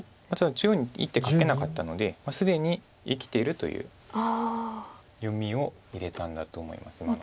ただ中央に１手かけなかったので既に生きているという読みを入れたんだと思います。